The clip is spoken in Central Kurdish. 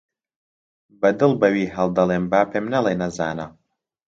بە دڵ بە وی هەڵدەڵێم با پێم نەڵێ نەزانە